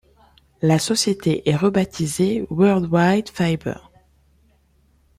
La société est rebaptisée Worldwide Fiber.